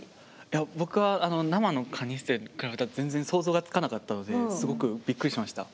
いや僕は生のカニステルに比べたら全然想像がつかなかったのですごくびっくりしました。